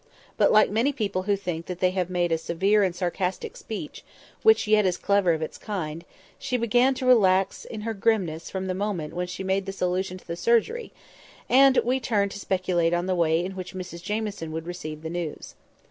But, like many people who think they have made a severe and sarcastic speech, which yet is clever of its kind, she began to relax in her grimness from the moment when she made this allusion to the surgery; and we turned to speculate on the way in which Mrs Jamieson would receive the news.